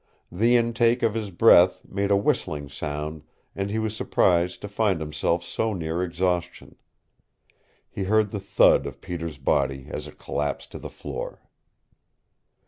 The intake of his breath made a whistling sound and he was surprised to find himself so near exhaustion. He heard the thud of Peter's body as it collapsed to the floor.